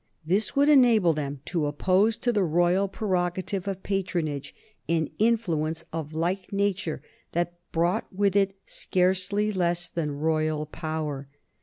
This would enable them to oppose to the royal prerogative of patronage an influence of like nature that brought with it scarcely less than royal power.